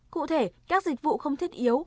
cụ thể các dịch vụ không thiết yếu